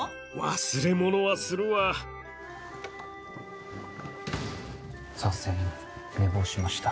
忘れ物はするわさせん寝坊しました。